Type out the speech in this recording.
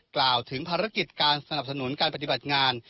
กล่าวถึงภารกิจการสนับสนุนการปฏิบัติงาน